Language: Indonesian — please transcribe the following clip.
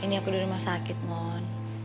ini aku di rumah sakit mon